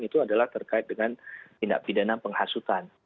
itu adalah terkait dengan tindak pidana penghasutan